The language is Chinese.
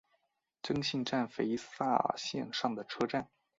真幸站肥萨线上的车站。